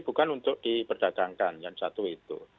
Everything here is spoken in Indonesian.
bukan untuk diperdagangkan yang satu itu